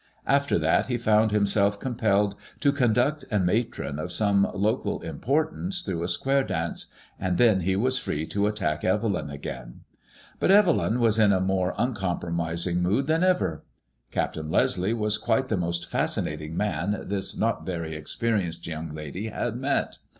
After that he found him self compelled to conduct a > MADEMOISELLE IXE. 1 45 matron of some local importance through a square dance, and then he was free to attack Evelyn again. But Evelyn was in a more uncompromising mood than ever. Captain Leslie was quite the most fascinating man this not very experienced young lady had met.